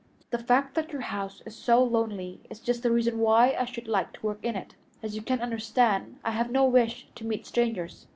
The fact that your house is so lonely is just the reason why I should like to work in it. As you can understand, I have no wish to meet strangers.